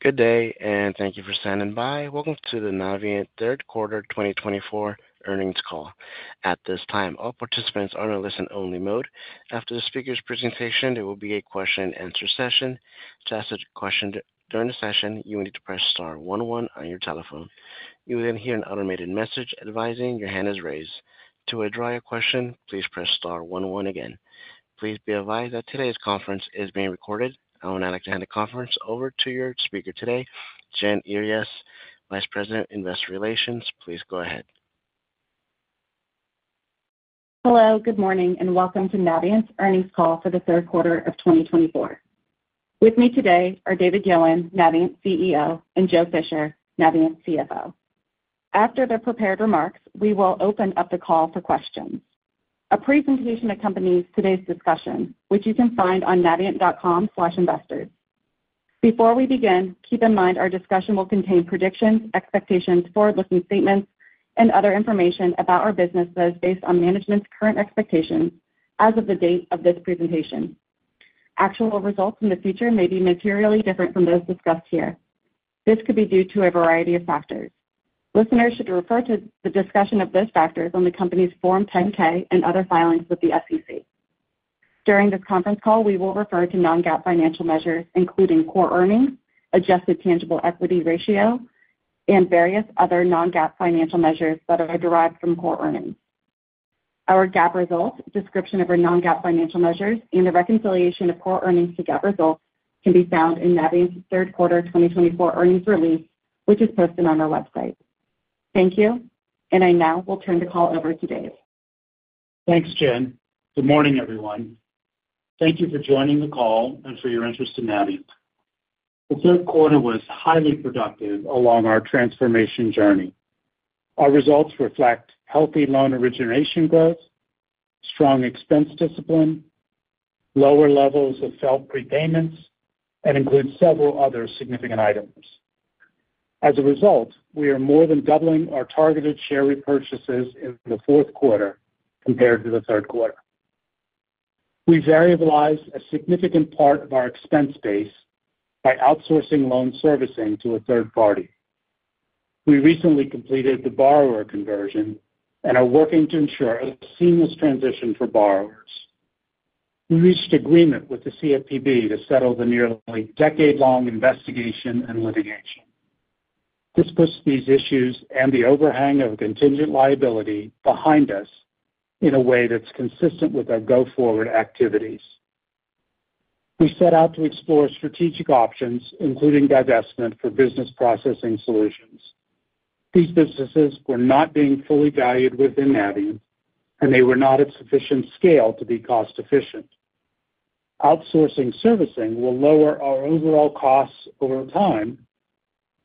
Good day, and thank you for standing by. Welcome to the Navient Q3 2024 earnings call. At this time, all participants are in a listen-only mode. After the speaker's presentation, there will be a question-and-answer session. To ask a question during the session, you will need to press star 11 on your telephone. You will then hear an automated message advising your hand is raised. To withdraw your question, please press star 11 again. Please be advised that today's conference is being recorded. I would now like to hand the conference over to your speaker today, Jen Earyes, Vice President, Investor Relations. Please go ahead. Hello, good morning, and welcome to Navient's earnings call for the Q3 of 2024. With me today are David Yowan, Navient CEO, and Joe Fisher, Navient CFO. After their prepared remarks, we will open up the call for questions. A presentation accompanies today's discussion, which you can find on navient.com/investors. Before we begin, keep in mind our discussion will contain predictions, expectations, forward-looking statements, and other information about our businesses based on management's current expectations as of the date of this presentation. Actual results in the future may be materially different from those discussed here. This could be due to a variety of factors. Listeners should refer to the discussion of those factors on the company's Form 10-K and other filings with the SEC. During this conference call, we will refer to non-GAAP financial measures, including core earnings, adjusted tangible equity ratio, and various other non-GAAP financial measures that are derived from core earnings. Our GAAP results, description of our non-GAAP financial measures, and the reconciliation of core earnings to GAAP results can be found in Navient's Q3 2024 earnings release, which is posted on our website. Thank you, and I now will turn the call over to Dave. Thanks, Jen. Good morning, everyone. Thank you for joining the call and for your interest in Navient. The Q3 was highly productive along our transformation journey. Our results reflect healthy loan origination growth, strong expense discipline, lower levels of FFELP prepayments, and include several other significant items. As a result, we are more than doubling our targeted share repurchases in the Q4 compared to the Q3. We variabilized a significant part of our expense base by outsourcing loan servicing to a third party. We recently completed the borrower conversion and are working to ensure a seamless transition for borrowers. We reached agreement with the CFPB to settle the nearly decade-long investigation and litigation. This puts these issues and the overhang of contingent liability behind us in a way that's consistent with our go-forward activities. We set out to explore strategic options, including divestment for business processing solutions. These businesses were not being fully valued within Navient, and they were not at sufficient scale to be cost-efficient. Outsourcing servicing will lower our overall costs over time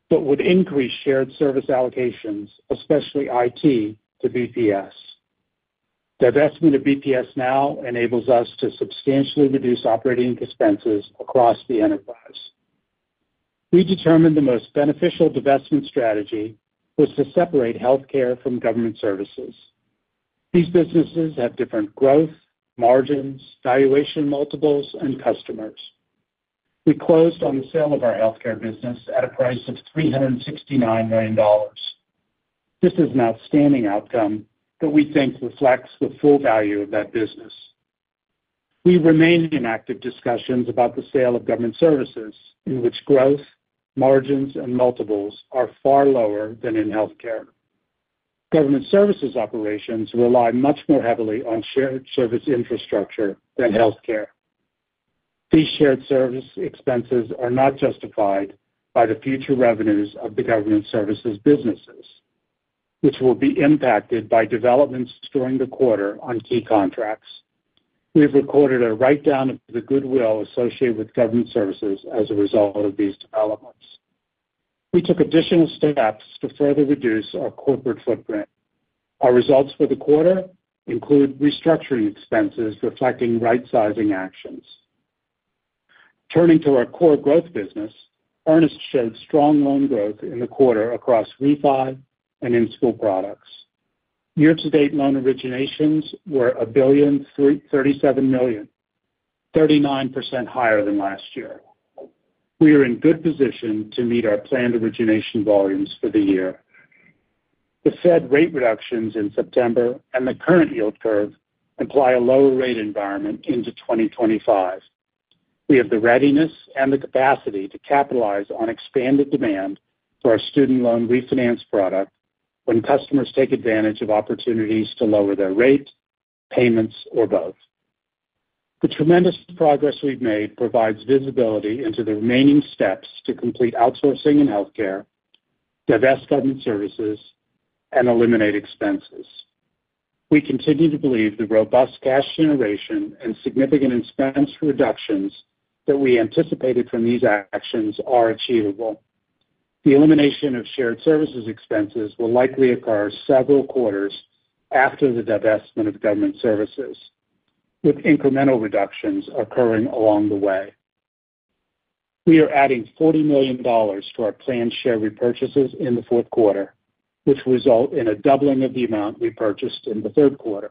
but would increase shared service allocations, especially IT to BPS. Divestment of BPS now enables us to substantially reduce operating expenses across the enterprise. We determined the most beneficial divestment strategy was to separate healthcare from government services. These businesses have different growth, margins, valuation multiples, and customers. We closed on the sale of our healthcare business at a price of $369 million. This is an outstanding outcome that we think reflects the full value of that business. We remain in active discussions about the sale of government services, in which growth, margins, and multiples are far lower than in healthcare. Government services operations rely much more heavily on shared service infrastructure than healthcare. These shared service expenses are not justified by the future revenues of the government services businesses, which will be impacted by developments during the quarter on key contracts. We have recorded a write-down of the goodwill associated with government services as a result of these developments. We took additional steps to further reduce our corporate footprint. Our results for the quarter include restructuring expenses reflecting right-sizing actions. Turning to our core growth business, Earnest showed strong loan growth in the quarter across refi and in-school products. Year-to-date loan originations were $1,037 million, 39% higher than last year. We are in good position to meet our planned origination volumes for the year. The Fed rate reductions in September and the current yield curve imply a lower rate environment into 2025. We have the readiness and the capacity to capitalize on expanded demand for our student loan refinance product when customers take advantage of opportunities to lower their rate, payments, or both. The tremendous progress we've made provides visibility into the remaining steps to complete outsourcing in healthcare, divest government services, and eliminate expenses. We continue to believe the robust cash generation and significant expense reductions that we anticipated from these actions are achievable. The elimination of shared services expenses will likely occur several quarters after the divestment of government services, with incremental reductions occurring along the way. We are adding $40 million to our planned share repurchases in the Q4, which result in a doubling of the amount we purchased in the Q3.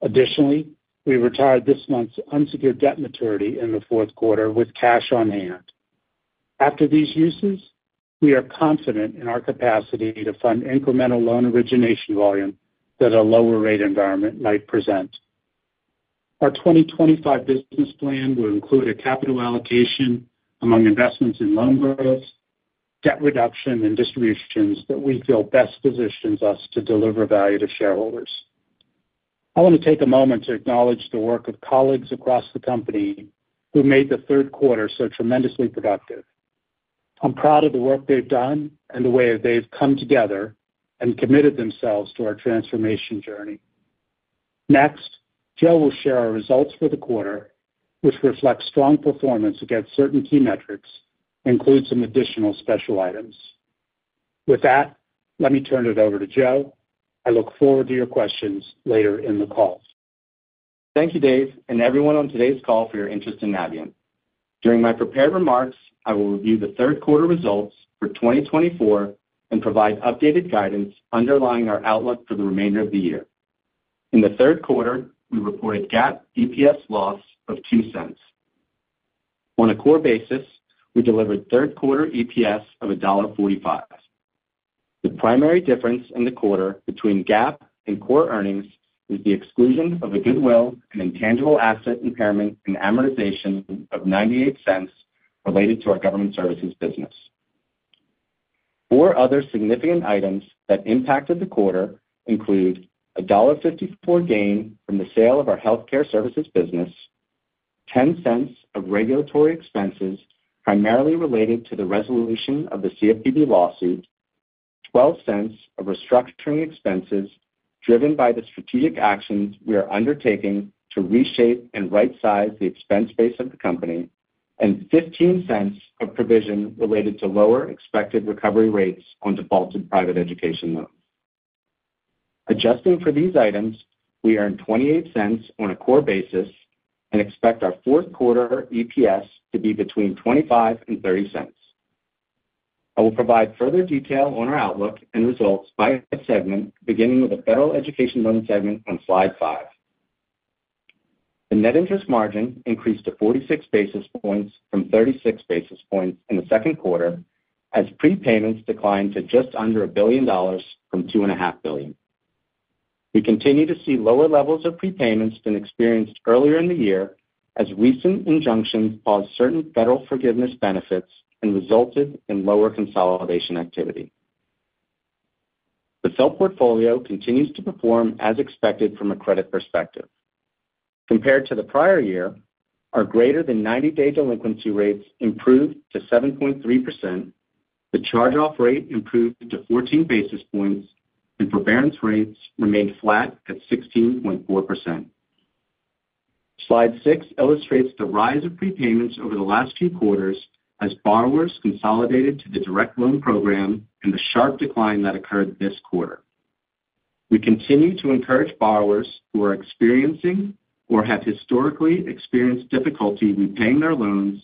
Additionally, we retired this month's unsecured debt maturity in the Q4 with cash on hand. After these uses, we are confident in our capacity to fund incremental loan origination volume that a lower rate environment might present. Our 2025 business plan will include a capital allocation among investments in loan growth, debt reduction, and distributions that we feel best positions us to deliver value to shareholders. I want to take a moment to acknowledge the work of colleagues across the company who made the Q3 so tremendously productive. I'm proud of the work they've done and the way they've come together and committed themselves to our transformation journey. Next, Joe will share our results for the quarter, which reflects strong performance against certain key metrics and includes some additional special items. With that, let me turn it over to Joe. I look forward to your questions later in the call. Thank you, Dave, and everyone on today's call for your interest in Navient. During my prepared remarks, I will review the Q3 results for 2024 and provide updated guidance underlying our outlook for the remainder of the year. In the Q3, we reported GAAP EPS loss of $0.02. On a core basis, we delivered Q3 EPS of $1.45. The primary difference in the quarter between GAAP and core earnings is the exclusion of a goodwill and intangible asset impairment and amortization of $0.98 related to our government services business. Four other significant items that impacted the quarter include a $1.54 gain from the sale of our healthcare services business, $0.10 of regulatory expenses primarily related to the resolution of the CFPB lawsuit, $0.12 of restructuring expenses driven by the strategic actions we are undertaking to reshape and right-size the expense base of the company, and $0.15 of provision related to lower expected recovery rates on defaulted private education loans. Adjusting for these items, we earned $0.28 on a core basis and expect our Q4 EPS to be between $0.25 and $0.30. I will provide further detail on our outlook and results by a segment, beginning with the federal education loan segment on slide five. The net interest margin increased to 46 basis points from 36 basis points in the second quarter as prepayments declined to just under a billion dollars from $2.5 billion. We continue to see lower levels of prepayments than experienced earlier in the year as recent injunctions paused certain federal forgiveness benefits and resulted in lower consolidation activity. The FFELP portfolio continues to perform as expected from a credit perspective. Compared to the prior year, our greater than 90-day delinquency rates improved to 7.3%, the charge-off rate improved to 14 basis points, and forbearance rates remained flat at 16.4%. Slide six illustrates the rise of prepayments over the last few quarters as borrowers consolidated to the Direct Loan program and the sharp decline that occurred this quarter. We continue to encourage borrowers who are experiencing or have historically experienced difficulty repaying their loans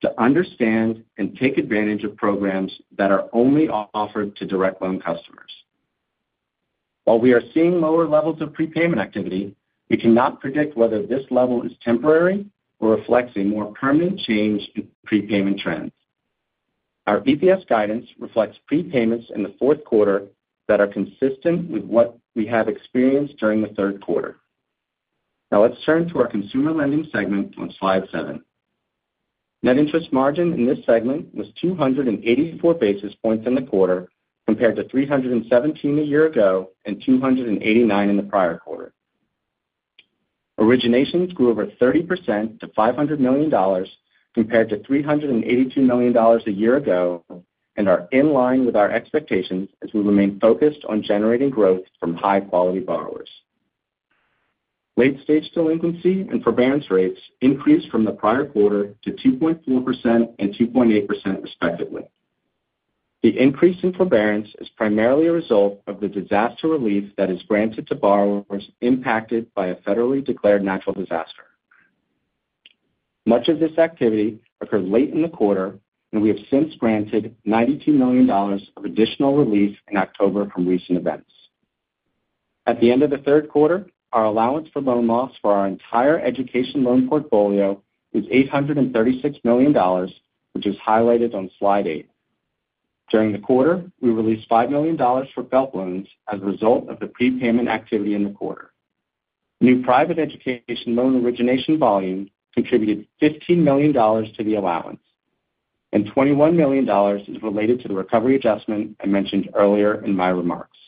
to understand and take advantage of programs that are only offered to Direct Loan customers. While we are seeing lower levels of prepayment activity, we cannot predict whether this level is temporary or reflects a more permanent change in prepayment trends. Our EPS guidance reflects prepayments in the Q4 that are consistent with what we have experienced during the Q3. Now let's turn to our consumer lending segment on slide seven. Net interest margin in this segment was 284 basis points in the quarter compared to 317 a year ago and 289 in the prior quarter. Originations grew over 30% to $500 million compared to $382 million a year ago and are in line with our expectations as we remain focused on generating growth from high-quality borrowers. Late-stage delinquency and forbearance rates increased from the prior quarter to 2.4% and 2.8%, respectively. The increase in forbearance is primarily a result of the disaster relief that is granted to borrowers impacted by a federally declared natural disaster. Much of this activity occurred late in the quarter, and we have since granted $92 million of additional relief in October from recent events. At the end of the Q3, our allowance for loan loss for our entire education loan portfolio is $836 million, which is highlighted on slide eight. During the quarter, we released $5 million for FFELP loans as a result of the prepayment activity in the quarter. New private education loan origination volume contributed $15 million to the allowance, and $21 million is related to the recovery adjustment I mentioned earlier in my remarks.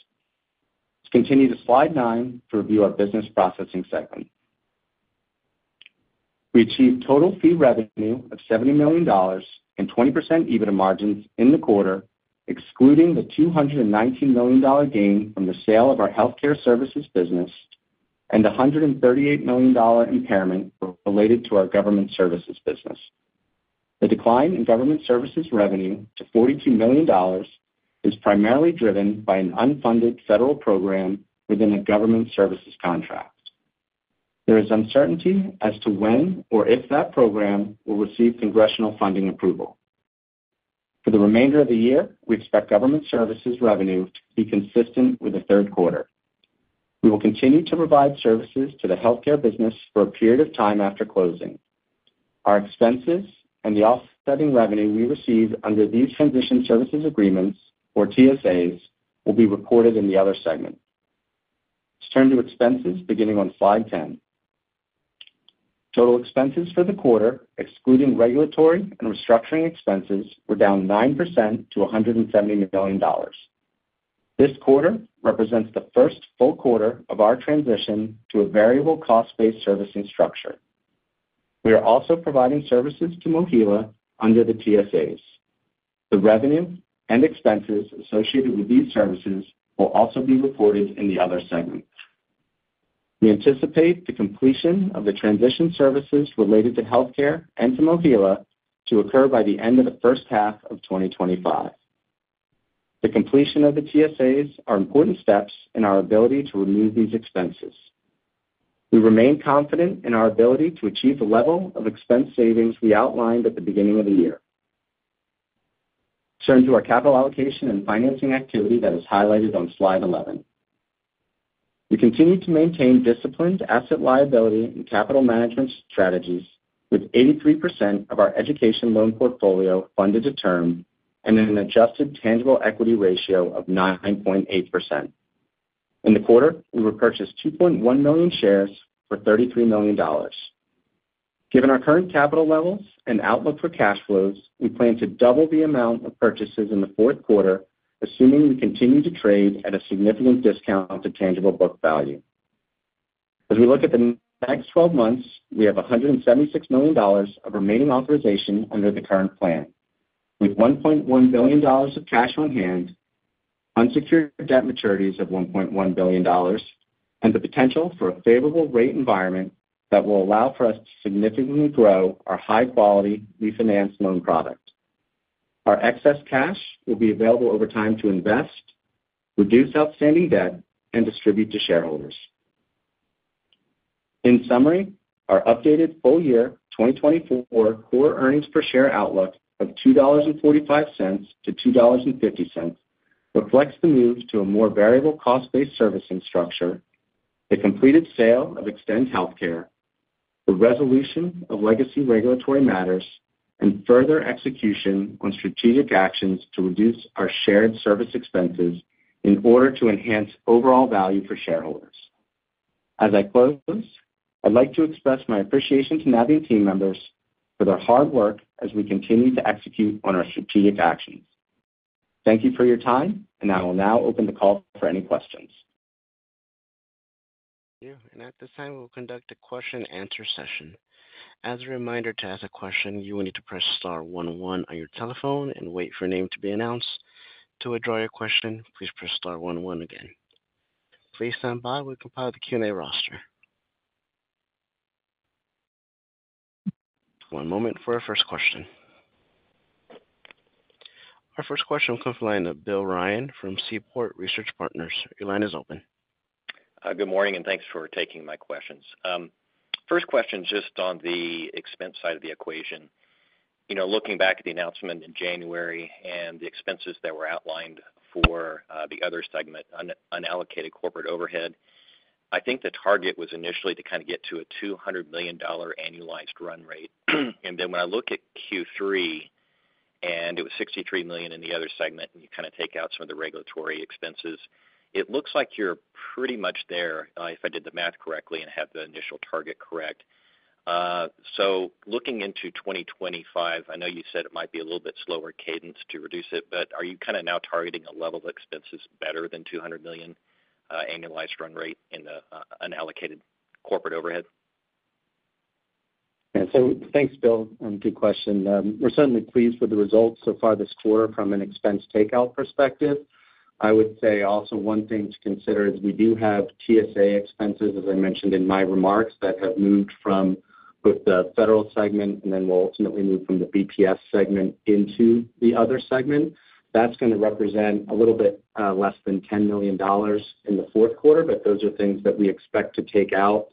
Let's continue to slide nine to review our business processing segment. We achieved total fee revenue of $70 million and 20% EBITDA margins in the quarter, excluding the $219 million gain from the sale of our healthcare services business and the $138 million impairment related to our government services business. The decline in government services revenue to $42 million is primarily driven by an unfunded federal program within a government services contract. There is uncertainty as to when or if that program will receive congressional funding approval. For the remainder of the year, we expect government services revenue to be consistent with the Q3. We will continue to provide services to the healthcare business for a period of time after closing. Our expenses and the offsetting revenue we receive under these transition services agreements, or TSAs, will be reported in the other segment. Let's turn to expenses beginning on slide 10. Total expenses for the quarter, excluding regulatory and restructuring expenses, were down 9% to $170 million. This quarter represents the first full quarter of our transition to a variable cost-based servicing structure. We are also providing services to MOHELA under the TSAs. The revenue and expenses associated with these services will also be reported in the other segment. We anticipate the completion of the transition services related to healthcare and to MOHELA to occur by the end of the first half of 2025. The completion of the TSAs are important steps in our ability to remove these expenses. We remain confident in our ability to achieve the level of expense savings we outlined at the beginning of the year. Turn to our capital allocation and financing activity that is highlighted on slide 11. We continue to maintain disciplined asset liability and capital management strategies, with 83% of our education loan portfolio funded to term and an adjusted tangible equity ratio of 9.8%. In the quarter, we repurchased 2.1 million shares for $33 million. Given our current capital levels and outlook for cash flows, we plan to double the amount of purchases in the Q4, assuming we continue to trade at a significant discount to tangible book value. As we look at the next 12 months, we have $176 million of remaining authorization under the current plan, with $1.1 billion of cash on hand, unsecured debt maturities of $1.1 billion, and the potential for a favorable rate environment that will allow for us to significantly grow our high-quality refinanced loan product. Our excess cash will be available over time to invest, reduce outstanding debt, and distribute to shareholders. In summary, our updated full-year 2024 core earnings per share outlook of $2.45-$2.50 reflects the move to a more variable cost-based servicing structure, the completed sale of Extend Healthcare, the resolution of legacy regulatory matters, and further execution on strategic actions to reduce our shared service expenses in order to enhance overall value for shareholders. As I close, I'd like to express my appreciation to Navient team members for their hard work as we continue to execute on our strategic actions. Thank you for your time, and I will now open the call for any questions. Thank you. And at this time, we will conduct a question-and-answer session. As a reminder, to ask a question, you will need to press star 11 on your telephone and wait for your name to be announced. To withdraw your question, please press star 11 again. Please stand by while we compile the Q&A roster. One moment for our first question. Our first question will come from the line of Bill Ryan from Seaport Research Partners. Your line is open. Good morning, and thanks for taking my questions. First question just on the expense side of the equation. Looking back at the announcement in January and the expenses that were outlined for the other segment, unallocated corporate overhead, I think the target was initially to kind of get to a $200 million annualized run rate. And then when I look at Q3, and it was $63 million in the other segment, and you kind of take out some of the regulatory expenses, it looks like you're pretty much there, if I did the math correctly and had the initial target correct. So looking into 2025, I know you said it might be a little bit slower cadence to reduce it, but are you kind of now targeting a level of expenses better than $200 million annualized run rate in the unallocated corporate overhead? Yeah. So thanks, Bill, on the question. We're certainly pleased with the results so far this quarter from an expense takeout perspective. I would say also one thing to consider is we do have TSA expenses, as I mentioned in my remarks, that have moved from both the federal segment and then will ultimately move from the BPS segment into the other segment. That's going to represent a little bit less than $10 million in the Q4, but those are things that we expect to take out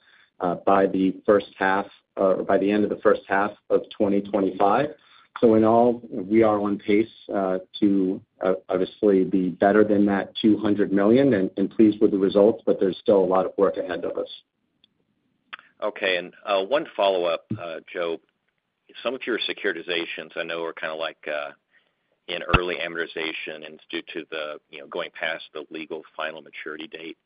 by the first half or by the end of the first half of 2025. So in all, we are on pace to obviously be better than that $200 million and pleased with the results, but there's still a lot of work ahead of us. Okay. And one follow-up, Joe. Some of your securitizations, I know, are kind of like an early amortization, and it's due to the going past the legal final maturity date.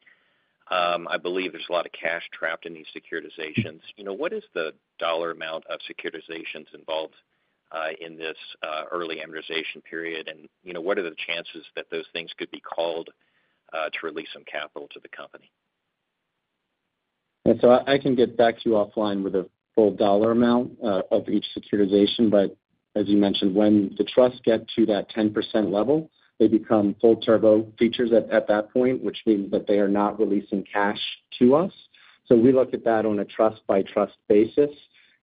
I believe there's a lot of cash trapped in these securitizations. What is the dollar amount of securitizations involved in this early amortization period, and what are the chances that those things could be called to release some capital to the company? Yeah. So I can get back to you offline with a full dollar amount of each securitization, but as you mentioned, when the trusts get to that 10% level, they become full turbo features at that point, which means that they are not releasing cash to us. So we look at that on a trust-by-trust basis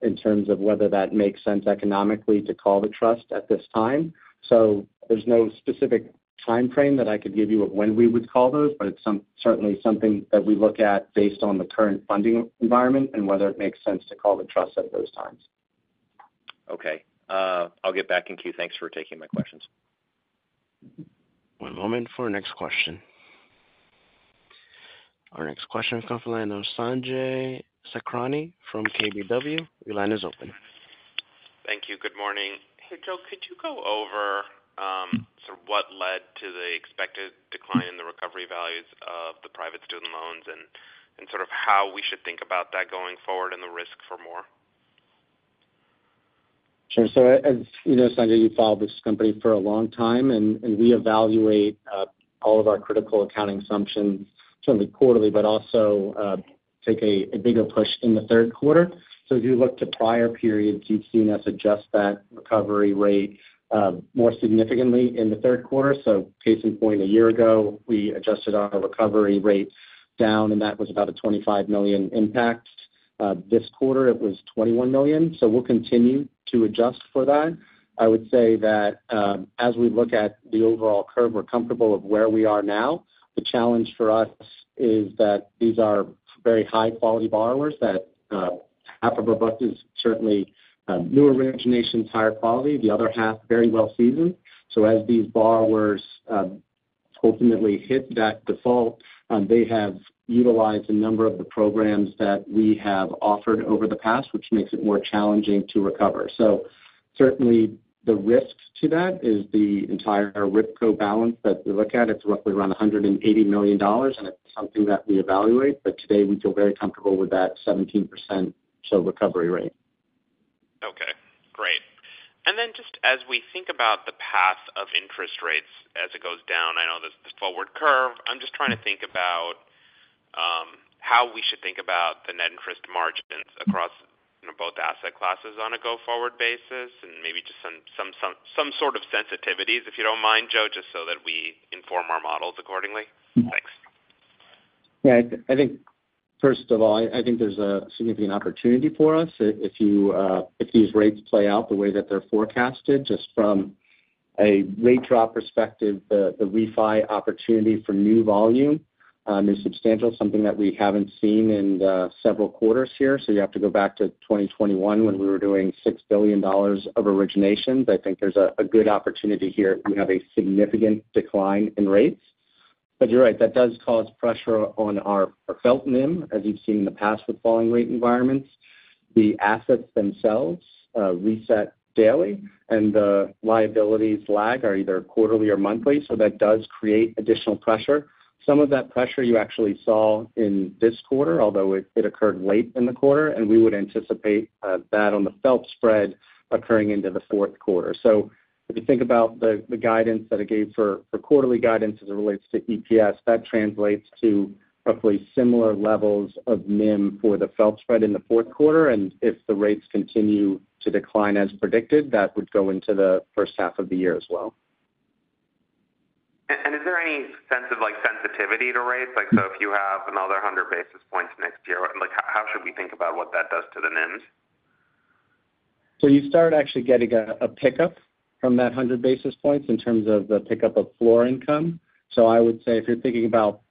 in terms of whether that makes sense economically to call the trust at this time. So there's no specific time frame that I could give you of when we would call those, but it's certainly something that we look at based on the current funding environment and whether it makes sense to call the trust at those times. Okay. I'll get back in queue. Thanks for taking my questions. One moment for our next question. Our next question will come from the line of Sanjay Sakhrani from KBW. Your line is open. Thank you. Good morning. Hey, Joe, could you go over sort of what led to the expected decline in the recovery values of the private student loans and sort of how we should think about that going forward and the risk for more? Sure. So as you know, Sanjay, you've followed this company for a long time, and we evaluate all of our critical accounting assumptions certainly quarterly, but also take a bigger push in the Q3. So if you look to prior periods, you've seen us adjust that recovery rate more significantly in the Q3. So case in point, a year ago, we adjusted our recovery rate down, and that was about a $25 million impact. This quarter, it was $21 million. So we'll continue to adjust for that. I would say that as we look at the overall curve, we're comfortable with where we are now. The challenge for us is that these are very high-quality borrowers. Half of our book is certainly new originations, higher quality. The other half, very well-seasoned. So as these borrowers ultimately hit that default, they have utilized a number of the programs that we have offered over the past, which makes it more challenging to recover. So certainly, the risk to that is the entire RIPCO balance that we look at. It's roughly around $180 million, and it's something that we evaluate. But today, we feel very comfortable with that 17% recovery rate. Okay. Great. And then just as we think about the path of interest rates as it goes down, I know there's the forward curve. I'm just trying to think about how we should think about the net interest margins across both asset classes on a go-forward basis and maybe just some sort of sensitivities, if you don't mind, Joe, just so that we inform our models accordingly. Thanks. Yeah. I think first of all, I think there's a significant opportunity for us if these rates play out the way that they're forecasted. Just from a rate drop perspective, the refi opportunity for new volume is substantial, something that we haven't seen in several quarters here. So you have to go back to 2021 when we were doing $6 billion of originations. I think there's a good opportunity here if we have a significant decline in rates. But you're right, that does cause pressure on our FFELP NIM, as you've seen in the past with falling rate environments. The assets themselves reset daily, and the liabilities lag are either quarterly or monthly, so that does create additional pressure. Some of that pressure you actually saw in this quarter, although it occurred late in the quarter, and we would anticipate that on the FFELP spread occurring into the Q4. So if you think about the guidance that I gave for quarterly guidance as it relates to EPS, that translates to roughly similar levels of NIM for the FFELP spread in the Q4. And if the rates continue to decline as predicted, that would go into the first half of the year as well. And is there any sense of sensitivity to rates? So if you have another 100 basis points next year, how should we think about what that does to the NIMs? So you start actually getting a pickup from that 100 basis points in terms of the pickup of floor income. So I would say if you're thinking about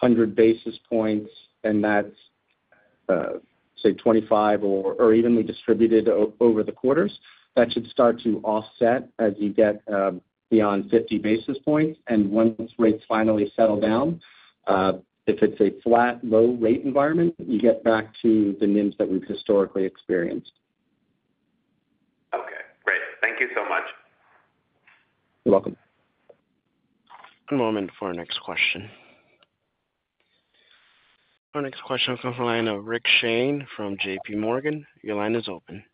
100 basis points and that's, say, 25 or evenly distributed over the quarters, that should start to offset as you get beyond 50 basis points. And once rates finally settle down, if it's a flat low rate environment, you get back to the NIMs that we've historically experienced. Okay. Great. Thank you so much. You're welcome. One moment for our next question. Our next question will come from the line of Rick Shane from JPMorgan. Your line is open.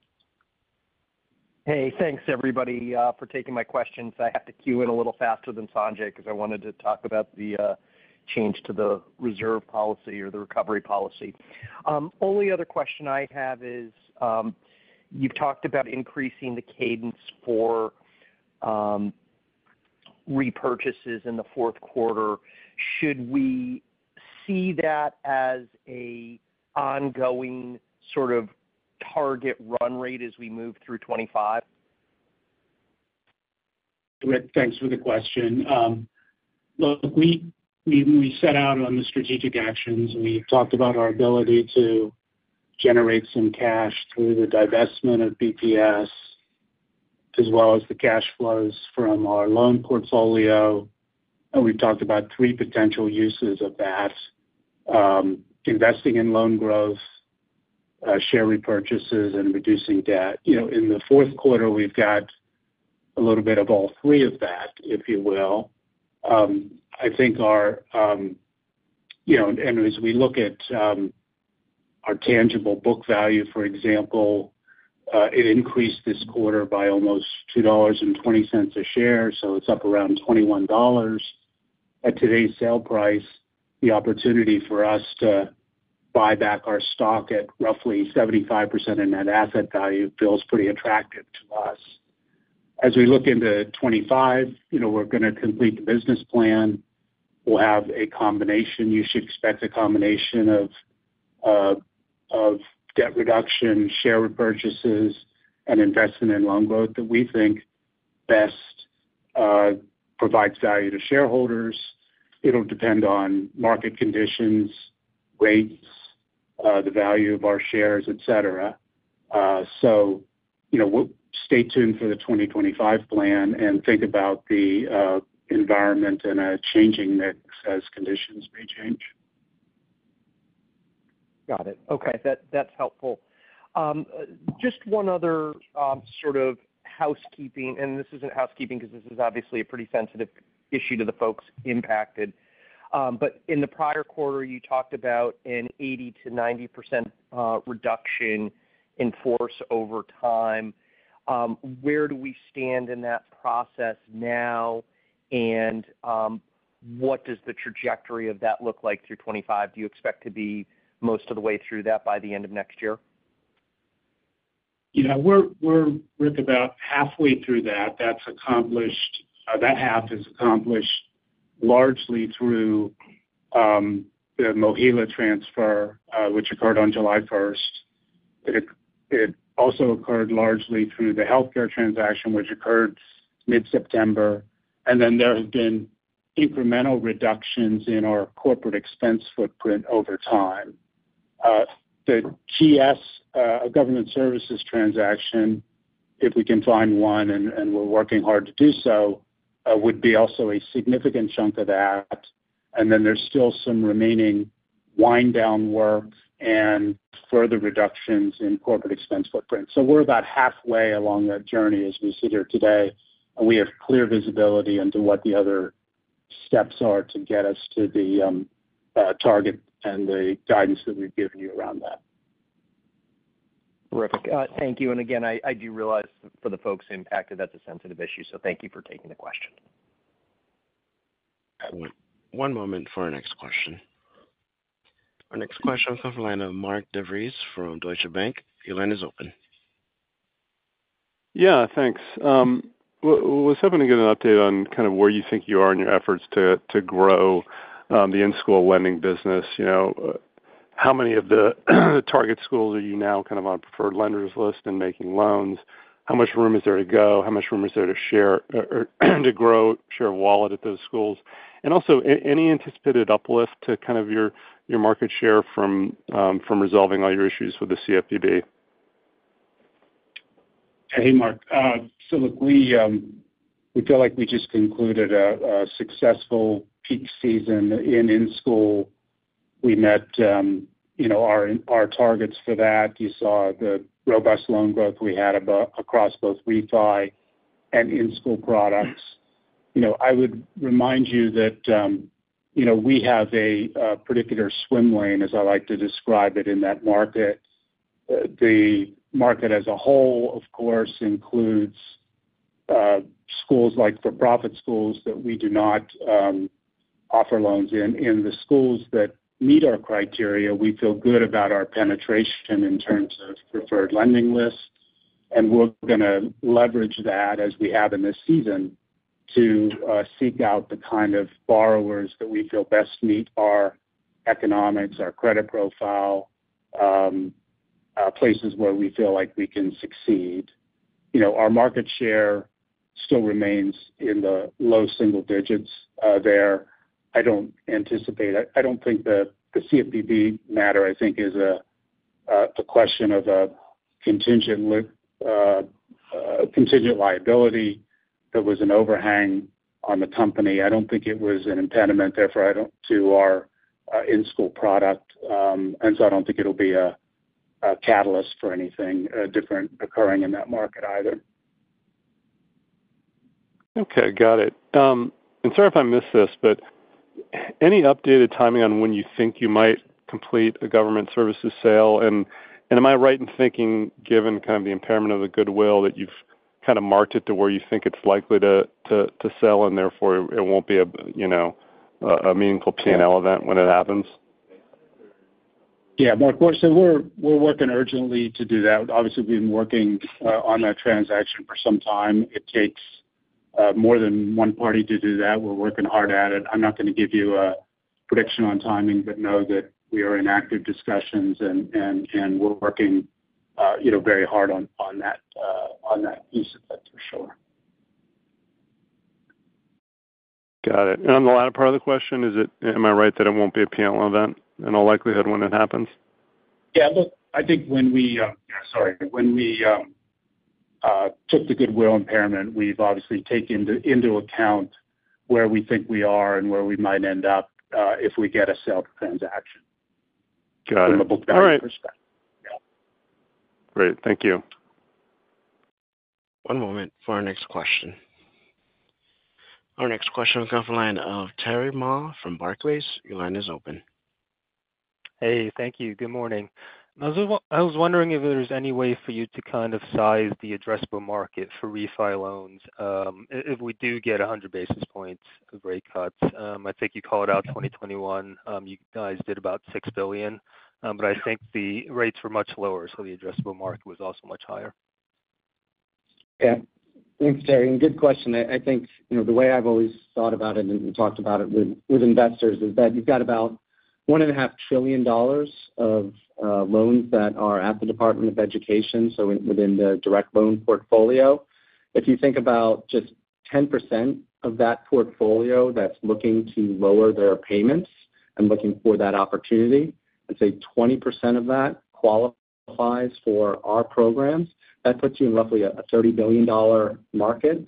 Hey, thanks, everybody, for taking my questions. I have to queue in a little faster than Sanjay because I wanted to talk about the change to the reserve policy or the recovery policy. Only other question I have is you've talked about increasing the cadence for repurchases in the Q4. Should we see that as an ongoing sort of target run rate as we move through 2025? Thanks for the question. Look, we set out on the strategic actions, and we talked about our ability to generate some cash through the divestment of BPS as well as the cash flows from our loan portfolio. And we've talked about three potential uses of that: investing in loan growth, share repurchases, and reducing debt. In the Q4, we've got a little bit of all three of that, if you will. I think as we look at our tangible book value, for example, it increased this quarter by almost $2.20 a share, so it's up around $21. At today's stock price, the opportunity for us to buy back our stock at roughly 75% of net asset value feels pretty attractive to us. As we look into 2025, we're going to complete the business plan. We'll have a combination. You should expect a combination of debt reduction, share repurchases, and investment in loan growth that we think best provides value to shareholders. It'll depend on market conditions, rates, the value of our shares, etc., so stay tuned for the 2025 plan and think about the environment and a changing mix as conditions may change. Got it. Okay. That's helpful. Just one other sort of housekeeping, and this isn't housekeeping because this is obviously a pretty sensitive issue to the folks impacted, but in the prior quarter, you talked about an 80%-90% reduction in force over time. Where do we stand in that process now, and what does the trajectory of that look like through 2025? Do you expect to be most of the way through that by the end of next year? Yeah. We're about halfway through that. That half is accomplished largely through the MOHELA transfer, which occurred on July 1st. It also occurred largely through the healthcare transaction, which occurred mid-September. And then there have been incremental reductions in our corporate expense footprint over time. The GS government services transaction, if we can find one, and we're working hard to do so, would be also a significant chunk of that. And then there's still some remaining wind-down work and further reductions in corporate expense footprint. So we're about halfway along that journey as we sit here today, and we have clear visibility into what the other steps are to get us to the target and the guidance that we've given you around that. Terrific. Thank you. And again, I do realize for the folks impacted, that's a sensitive issue, so thank you for taking the question. Excellent. One moment for our next question. Our next question will come from the line of Mark De Vries from Deutsche Bank. Your line is open. Yeah. Thanks. Well, I was hoping to get an update on kind of where you think you are in your efforts to grow the in-school lending business. How many of the target schools are you now kind of on a preferred lenders list and making loans? How much room is there to go? How much room is there to share or to grow, share a wallet at those schools? And also, any anticipated uplift to kind of your market share from resolving all your issues with the CFPB? Hey, Mark. So look, we feel like we just concluded a successful peak season in-school. We met our targets for that. You saw the robust loan growth we had across both refi and in-school products. I would remind you that we have a particular swim lane, as I like to describe it, in that market. The market as a whole, of course, includes schools like for-profit schools that we do not offer loans in. In the schools that meet our criteria, we feel good about our penetration in terms of preferred lending lists. And we're going to leverage that, as we have in this season, to seek out the kind of borrowers that we feel best meet our economics, our credit profile, places where we feel like we can succeed. Our market share still remains in the low single digits there. I don't anticipate, I don't think the CFPB matter, I think, is a question of a contingent liability. There was an overhang on the company. I don't think it was an impediment, therefore, to our in-school product, and so I don't think it'll be a catalyst for anything different occurring in that market either. Okay. Got it. And sorry if I missed this, but any updated timing on when you think you might complete a government services sale? And am I right in thinking, given kind of the impairment of the goodwill, that you've kind of marked it to where you think it's likely to sell and therefore it won't be a meaningful P&L event when it happens? Yeah. Mark, so we're working urgently to do that. Obviously, we've been working on that transaction for some time. It takes more than one party to do that. We're working hard at it. I'm not going to give you a prediction on timing, but know that we are in active discussions, and we're working very hard on that piece of it, for sure. Got it. And on the latter part of the question, am I right that it won't be a P&L event in all likelihood when it happens? Yeah. Look, I think when we took the goodwill impairment, we've obviously taken into account where we think we are and where we might end up if we get a sale transaction from a book value perspective. Got it. All right. Great. Thank you. One moment for our next question. Our next question will come from the line of Terry Ma from Barclays. Your line is open. Hey. Thank you. Good morning. I was wondering if there's any way for you to kind of size the addressable market for refi loans if we do get 100 basis points of rate cuts? I think you called out 2021. You guys did about $6 billion. But I think the rates were much lower, so the addressable market was also much higher. Yeah. Thanks, Terry. And good question. I think the way I've always thought about it and talked about it with investors is that you've got about $1.5 trillion of loans that are at the Department of Education, so within the direct loan portfolio. If you think about just 10% of that portfolio that's looking to lower their payments and looking for that opportunity, I'd say 20% of that qualifies for our programs. That puts you in roughly a $30 billion market.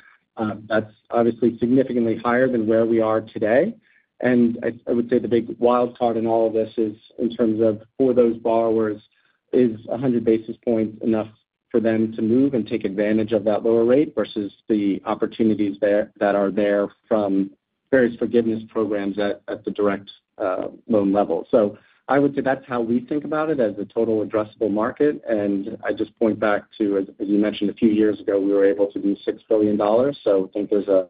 That's obviously significantly higher than where we are today. And I would say the big wildcard in all of this is in terms of for those borrowers, is 100 basis points enough for them to move and take advantage of that lower rate versus the opportunities that are there from various forgiveness programs at the direct loan level? So I would say that's how we think about it as a total addressable market. And I just point back to, as you mentioned, a few years ago, we were able to do $6 billion. So I think there's a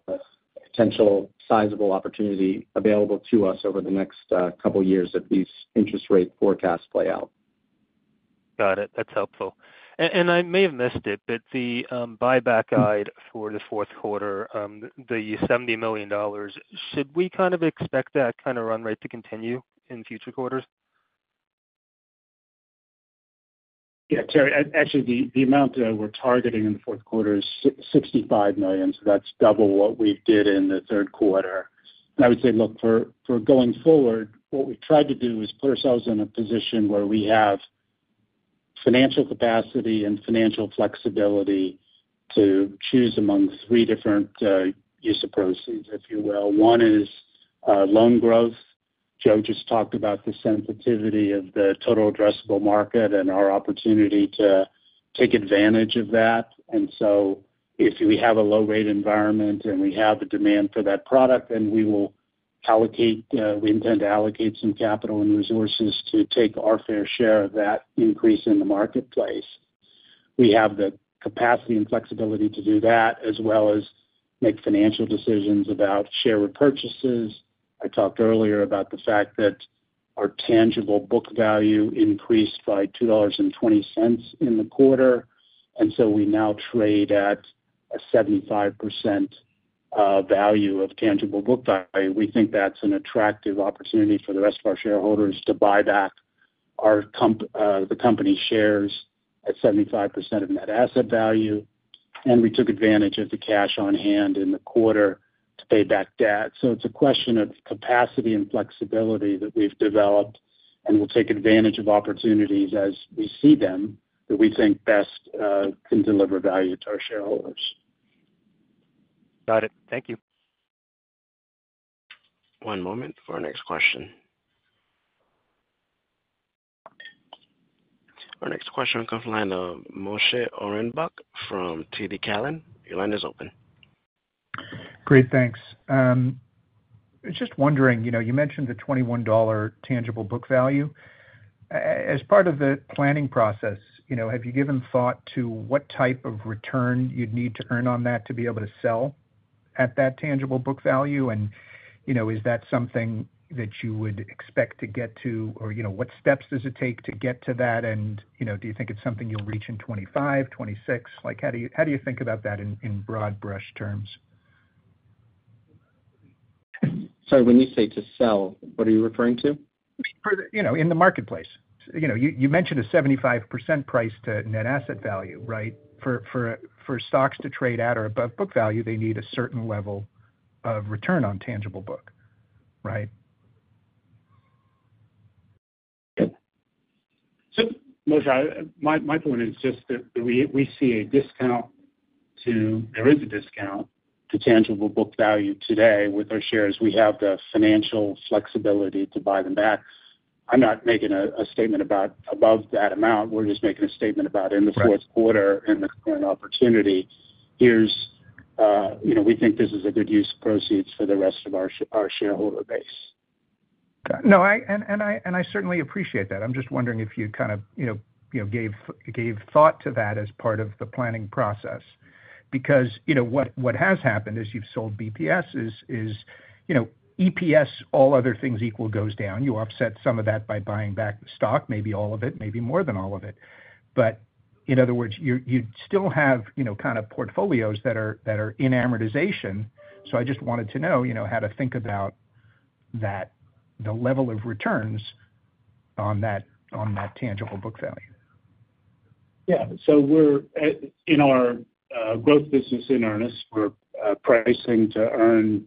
potential sizable opportunity available to us over the next couple of years if these interest rate forecasts play out. Got it. That's helpful. And I may have missed it, but the buyback guide for the Q4, the $70 million, should we kind of expect that kind of run rate to continue in future quarters? Yeah. Actually, the amount that we're targeting in the Q4 is $65 million. So that's double what we did in the Q3. And I would say, look, for going forward, what we've tried to do is put ourselves in a position where we have financial capacity and financial flexibility to choose among three different use of proceeds, if you will. One is loan growth. Joe just talked about the sensitivity of the total addressable market and our opportunity to take advantage of that. And so if we have a low-rate environment and we have the demand for that product, then we will allocate, we intend to allocate some capital and resources to take our fair share of that increase in the marketplace. We have the capacity and flexibility to do that as well as make financial decisions about share repurchases. I talked earlier about the fact that our tangible book value increased by $2.20 in the quarter. And so we now trade at a 75% value of tangible book value. We think that's an attractive opportunity for the rest of our shareholders to buy back the company shares at 75% of net asset value. And we took advantage of the cash on hand in the quarter to pay back debt. So it's a question of capacity and flexibility that we've developed and will take advantage of opportunities as we see them that we think best can deliver value to our shareholders. Got it. Thank you. One moment for our next question. Our next question will come from the line of Moshe Orenbach from TD Cowen. Your line is open. Great. Thanks. Just wondering, you mentioned the $21 tangible book value. As part of the planning process, have you given thought to what type of return you'd need to earn on that to be able to sell at that tangible book value? And is that something that you would expect to get to, or what steps does it take to get to that? And do you think it's something you'll reach in 2025, 2026? How do you think about that in broad brush terms? Sorry. When you say to sell, what are you referring to? In the marketplace. You mentioned a 75% price to net asset value, right? For stocks to trade at or above book value, they need a certain level of return on tangible book, right? So Moshe, my point is just that we see a discount to, there is a discount to tangible book value today with our shares. We have the financial flexibility to buy them back. I'm not making a statement about above that amount. We're just making a statement about in the Q4 and the current opportunity. Here's, we think this is a good use of proceeds for the rest of our shareholder base. No. And I certainly appreciate that. I'm just wondering if you kind of gave thought to that as part of the planning process. Because what has happened is you've sold BPSs. EPS, all other things equal, goes down. You offset some of that by buying back the stock, maybe all of it, maybe more than all of it. But in other words, you still have kind of portfolios that are in amortization. So I just wanted to know how to think about that, the level of returns on that tangible book value. Yeah. So in our growth business in Earnest, we're pricing to earn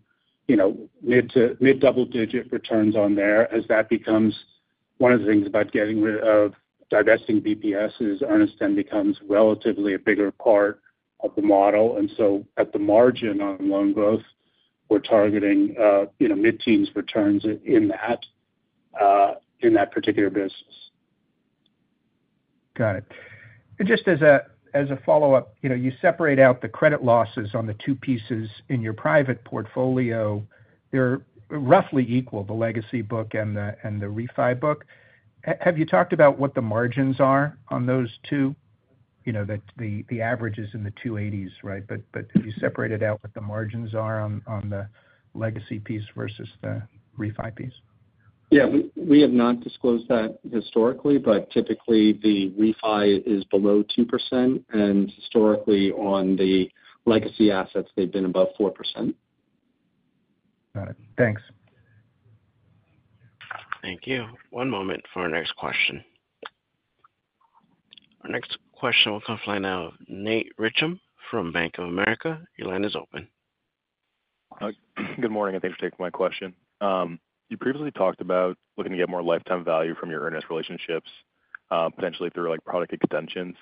mid-double-digit returns on there. As that becomes one of the things about getting rid of divesting BPSs, Earnest then becomes relatively a bigger part of the model. And so at the margin on loan growth, we're targeting mid-teens returns in that particular business. Got it. And just as a follow-up, you separate out the credit losses on the two pieces in your private portfolio. They're roughly equal, the legacy book and the refi book. Have you talked about what the margins are on those two? The average is in the 280s, right? But have you separated out what the margins are on the legacy piece versus the refi piece? Yeah. We have not disclosed that historically, but typically, the refi is below 2%. And historically, on the legacy assets, they've been above 4%. Got it. Thanks. Thank you. One moment for our next question. Our next question will come from the line of Nate Richam from Bank of America. Your line is open. Good morning. And thanks for taking my question. You previously talked about looking to get more lifetime value from your Earnest relationships, potentially through product extensions.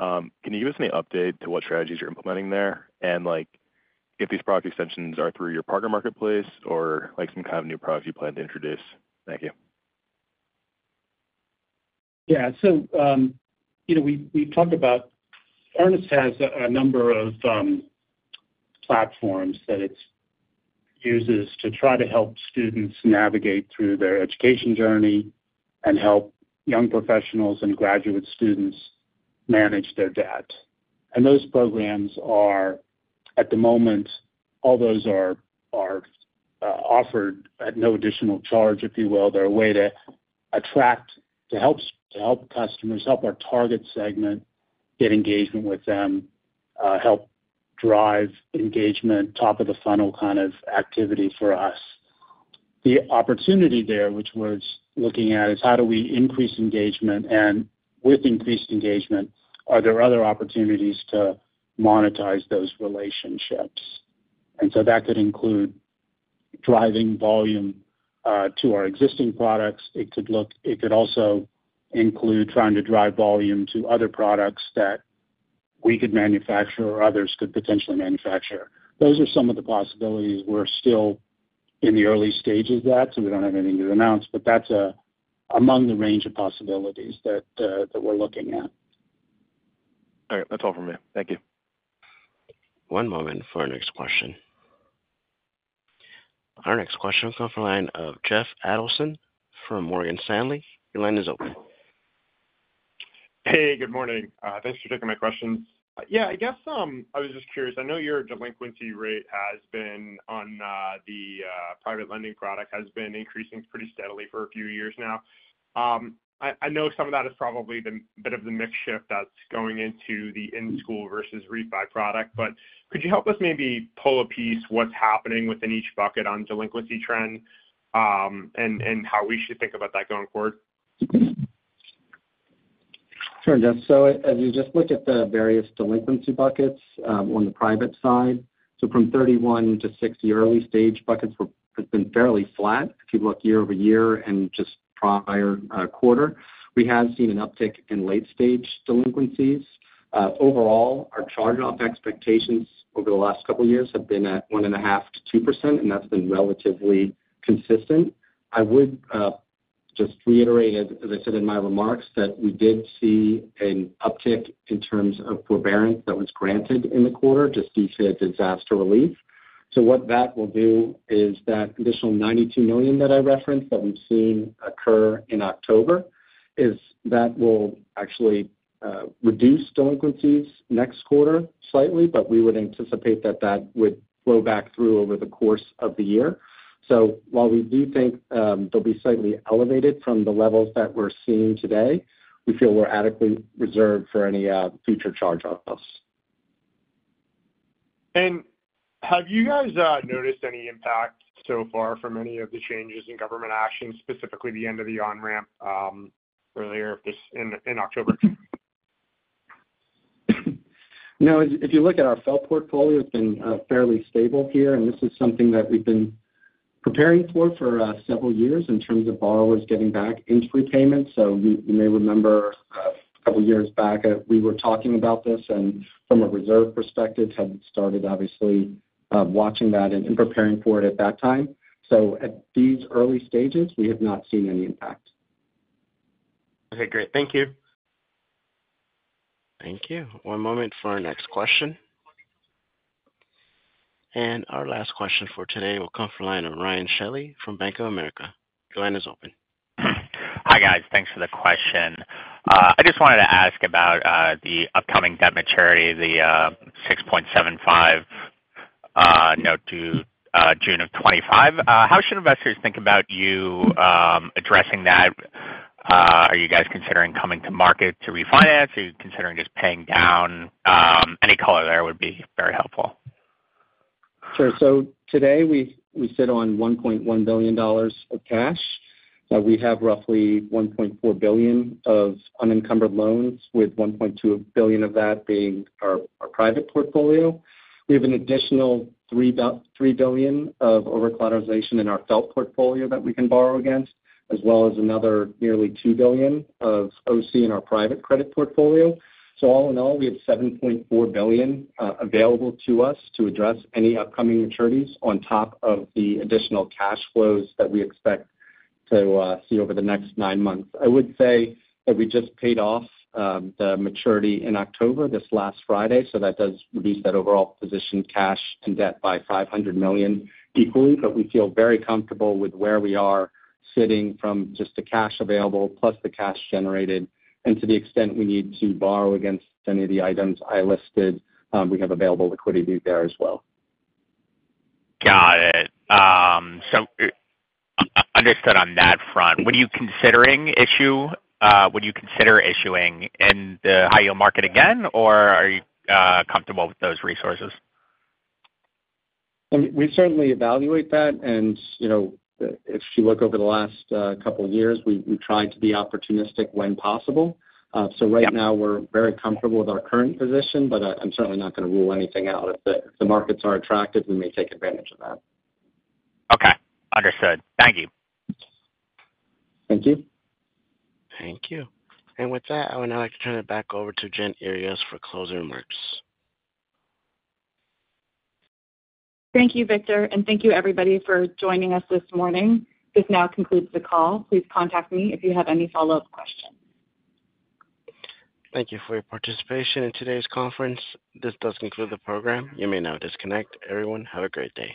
Can you give us an update to what strategies you're implementing there? And if these product extensions are through your partner marketplace or some kind of new products you plan to introduce? Thank you. Yeah. So we've talked about Earnest has a number of platforms that it uses to try to help students navigate through their education journey and help young professionals and graduate students manage their debt. And those programs are, at the moment, all those are offered at no additional charge, if you will. They're a way to attract, to help customers, help our target segment, get engagement with them, help drive engagement, top-of-the-funnel kind of activity for us. The opportunity there, which was looking at, is how do we increase engagement? And with increased engagement, are there other opportunities to monetize those relationships? And so that could include driving volume to our existing products. It could also include trying to drive volume to other products that we could manufacture or others could potentially manufacture. Those are some of the possibilities. We're still in the early stages of that, so we don't have anything to announce. But that's among the range of possibilities that we're looking at. All right. That's all from me. Thank you. One moment for our next question. Our next question will come from the line of Jeff Adelson from Morgan Stanley. Your line is open. Hey. Good morning. Thanks for taking my questions. Yeah. I guess I was just curious. I know your delinquency rate on the private lending product has been increasing pretty steadily for a few years now. I know some of that is probably a bit of the mix shift that's going into the in-school versus refi product. But could you help us maybe pull apart what's happening within each bucket on delinquency trend and how we should think about that going forward? Sure, Jeff. So as you just look at the various delinquency buckets on the private side, so from 31 to 60 early stage buckets, it's been fairly flat. If you look year over year and just prior quarter, we have seen an uptick in late-stage delinquencies. Overall, our charge-off expectations over the last couple of years have been at 1.5%-2%, and that's been relatively consistent. I would just reiterate, as I said in my remarks, that we did see an uptick in terms of forbearance that was granted in the quarter just due to disaster relief. So what that will do is that additional $92 million that I referenced that we've seen occur in October is that will actually reduce delinquencies next quarter slightly, but we would anticipate that that would flow back through over the course of the year. So while we do think they'll be slightly elevated from the levels that we're seeing today, we feel we're adequately reserved for any future charge-offs. Have you guys noticed any impact so far from any of the changes in government action, specifically the end of the on-ramp earlier in October? No. If you look at our FFELP portfolio, it's been fairly stable here. And this is something that we've been preparing for several years in terms of borrowers getting back into repayment. So you may remember a couple of years back, we were talking about this. And from a reserve perspective, had started obviously watching that and preparing for it at that time. So at these early stages, we have not seen any impact. Okay. Great. Thank you. Thank you. One moment for our next question. And our last question for today will come from the line of Ryan Shelley from Bank of America. Your line is open. Hi guys. Thanks for the question. I just wanted to ask about the upcoming debt maturity, the 6.75 note due June of 2025. How should investors think about you addressing that? Are you guys considering coming to market to refinance? Are you considering just paying down? Any color there would be very helpful. Sure. So today, we sit on $1.1 billion of cash. We have roughly $1.4 billion of unencumbered loans, with $1.2 billion of that being our private portfolio. We have an additional $3 billion of over-collateralization in our FFELP portfolio that we can borrow against, as well as another nearly $2 billion of OC in our private credit portfolio. So all in all, we have $7.4 billion available to us to address any upcoming maturities on top of the additional cash flows that we expect to see over the next nine months. I would say that we just paid off the maturity in October this last Friday. So that does reduce that overall position, cash and debt, by $500 million equally. But we feel very comfortable with where we are sitting from just the cash available plus the cash generated. To the extent we need to borrow against any of the items I listed, we have available liquidity there as well. Got it. So understood on that front. What are you considering issuing in the high-yield market again, or are you comfortable with those resources? We certainly evaluate that. And if you look over the last couple of years, we've tried to be opportunistic when possible. So right now, we're very comfortable with our current position, but I'm certainly not going to rule anything out. If the markets are attractive, we may take advantage of that. Okay. Understood. Thank you. Thank you. Thank you. And with that, I would now like to turn it back over to Jen Earyes for closing remarks. Thank you, Victor. And thank you, everybody, for joining us this morning. This now concludes the call. Please contact me if you have any follow-up questions. Thank you for your participation in today's conference. This does conclude the program. You may now disconnect. Everyone, have a great day.